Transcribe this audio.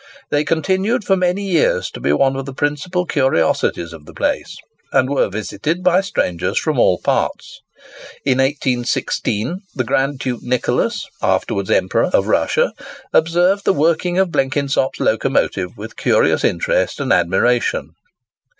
They continued for many years to be one of the principal curiosities of the place, and were visited by strangers from all parts. In 1816, the Grand Duke Nicholas (afterwards Emperor) of Russia observed the working of Blenkinsop's locomotive with curious interest and admiration.